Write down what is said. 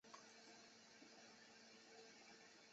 南昌站分为西广场和临时启用的东广场。